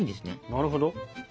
なるほど。